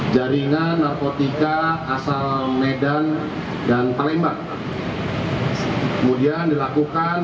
jakarta pusat kemudian berkembang